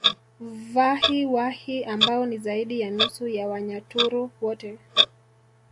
Vahi Wahi ambao ni zaidi ya nusu ya Wanyaturu wote